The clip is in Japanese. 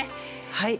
はい。